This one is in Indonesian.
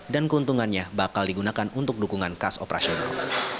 dan keuntungannya bakal digunakan untuk dukungan kas operasional